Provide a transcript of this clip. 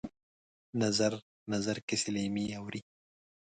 نظر، نظر کسي لېمه یې اورې